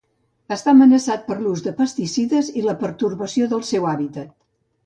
Està amenaçat per l'ús de pesticides i la pertorbació del seu hàbitat.